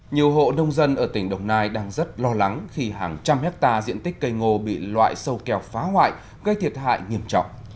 nhiều hộ nông dân ở tỉnh đồng nai đang rất lo lắng khi hàng trăm hectare diện tích cây ngô bị loại sâu kèo phá hoại gây thiệt hại nghiêm trọng